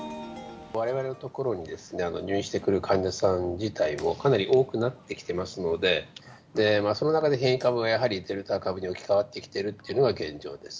われわれの所に入院してくる患者さん自体もかなり多くなってきてますので、その中で変異株がやはりデルタ株に置き換わってきているというのが現状です。